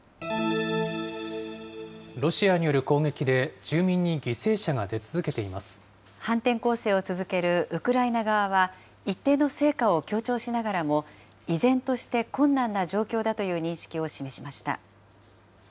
ロシアによる攻撃で、反転攻勢を続けるウクライナ側は、一定の成果を強調しながらも、依然として困難な状況だという認識を示しました。